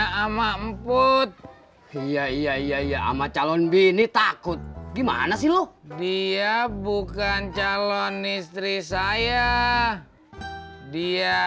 ya sama emput iya iya iya sama calon bini takut gimana sih loh dia bukan calon istri saya dia